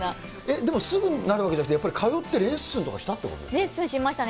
でもすぐなるわけじゃなくて、やっぱり通って、レッスンしましたね。